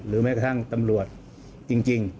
แม้กระทั่งตำรวจจริง